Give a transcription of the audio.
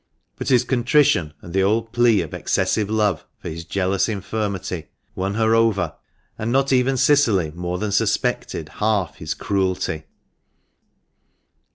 But his contrition and the old plea of "excessive love" for his jealous infirmity won her over, and not even Cicily more than suspected half his cruelty.